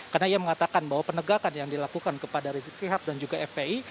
karena ia mengatakan bahwa penegakan yang dilakukan kepada wisik sihab dan juga fpi